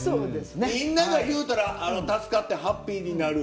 みんながいうたら助かってハッピーになる。